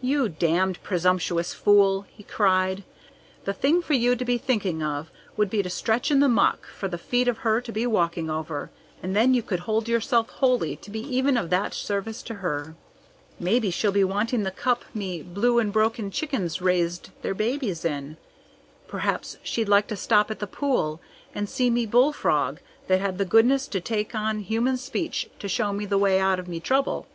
"You damned presumptuous fool!" he cried. "The thing for you to be thinking of would be to stretch in the muck for the feet of her to be walking over, and then you could hold yourself holy to be even of that service to her. "Maybe she'll be wanting the cup me blue and brown chickens raised their babies in. Perhaps she'd like to stop at the pool and see me bullfrog that had the goodness to take on human speech to show me the way out of me trouble.